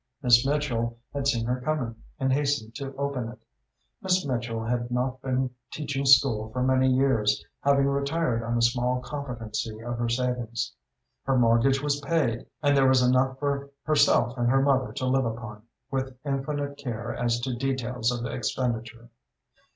Miss Mitchell had seen her coming, and hastened to open it. Miss Mitchell had not been teaching school for some years, having retired on a small competency of her savings. Her mortgage was paid, and there was enough for herself and her mother to live upon, with infinite care as to details of expenditure.